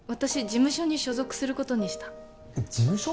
事務所に所属することにした事務所？